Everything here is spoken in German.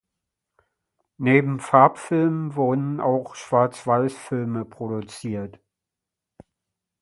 Neben Farbfilmen wurden auch Schwarzweißfilme produziert.